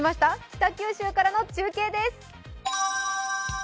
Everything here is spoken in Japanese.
北九州からの中継です。